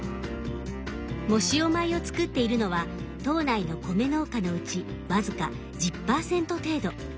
藻塩米を作っているのは島内の米農家のうち僅か１０パーセント程度。